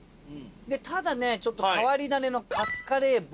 ただねちょっと変わり種のかつカレー棒とか。